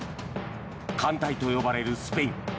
艦隊と呼ばれるスペイン。